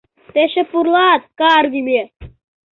— Тый эше пурлат, каргыме!